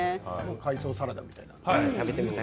海藻サラダみたいな。